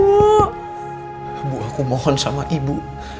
ibu aku mohon sama ibu